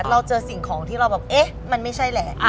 เราเจอสิ่งของที่เราแบบเอ๊ะมันไม่ใช่แหละ